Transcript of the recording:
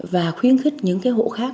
và khuyến khích những cái hộ khác